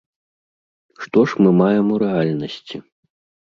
Што ж мы маем у рэальнасці?